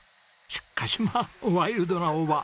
しかしまあワイルドな大葉。